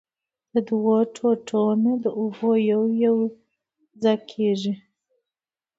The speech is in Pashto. د دؤو ټوټو نه د اوبو يو يو څک کېږي